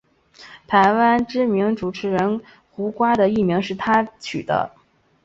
台湾知名主持人胡瓜的艺名是他取的。